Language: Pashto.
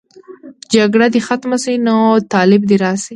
جګړه دې ختمه شي، نو طالب دې راشي.